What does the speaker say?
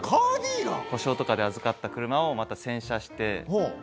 故障とかで預かった車をまた。